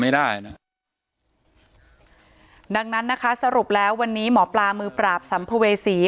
ดังงั้นสรุปแล้ววันนี้หมอปลามือปราบสัมภเวษี